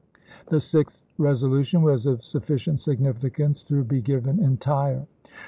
The sixth resolution was of suf ficient significance to be given entire.